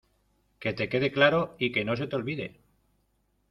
que te quede claro y que no se te olvide.